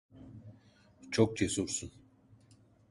Çok cesursun.